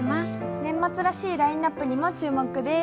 年末らしいラインナップにも注目です。